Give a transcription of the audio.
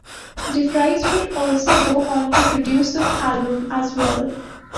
DeFries would also go on to produce the album as well.